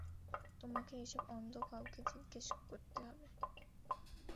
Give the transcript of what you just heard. তোমাকে এসব অন্ধ কাউকে জিজ্ঞেস করতে হবে।